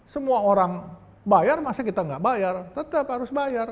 semua orang bayar masa kita nggak bayar tetap harus bayar